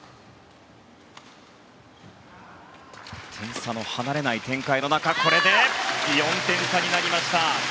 点差の離れない展開の中で４点差になりました。